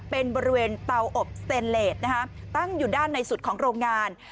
เป็นบริเวณเตาอบสเตนเลสตั้งอยู่ด้านในสุดของโรงงาน